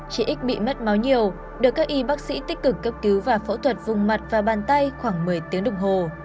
chị ích bị mất máu nhiều được các y bác sĩ tích cực cấp cứu và phẫu thuật vùng mặt và bàn tay khoảng một mươi tiếng đồng hồ